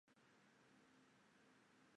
现任东首尔大学公演艺术学部兼任教授。